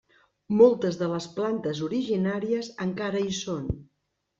Moltes de les plantes originàries encara hi són.